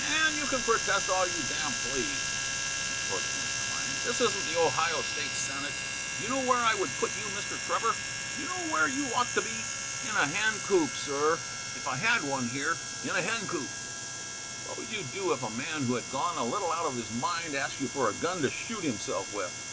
"And you can protest all you damn please," retorted my client; "this isn't the Ohio State Senate. Do you know where I would put you, Mr. Trevor? Do you know where you ought to be? In a hencoop, sir, if I had one here. In a hen coop. What would you do if a man who had gone a little out of his mind asked you for a gun to shoot himself with?